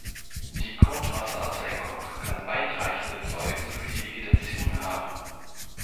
Die Grundwasserabsenkung kann weitreichende Folgen für die Vegetation haben.